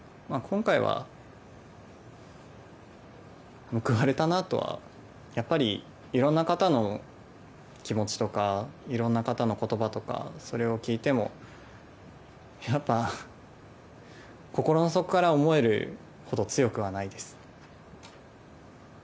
今回は報われたなとはやっぱり、いろんな方の気持ちとかいろんな方のことばとかそれを聞いてもやっぱ心の底から思えるほど強くはないです。